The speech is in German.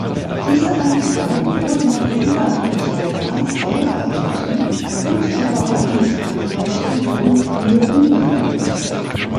Diese Einteilung wurde nach der Übernahme Taiwans beibehalten und die Verwaltungseinheiten wurden nur umbenannt.